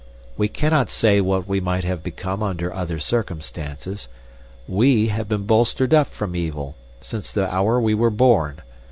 "We cannot say what we might have become under other circumstances. WE have been bolstered up from evil, since the hour we were born.